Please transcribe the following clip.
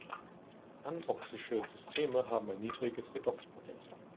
Anoxische Systeme haben ein niedriges Redoxpotential.